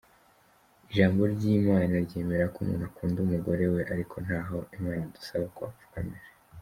ijambo lyimana lyemerako umuntu akundumugorewe ariko ntaho Imanidusaba kubapfukamira.